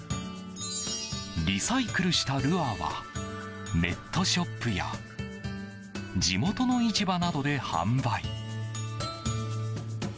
リサイクルしたルアーはネットショップや地元の市場などで販売。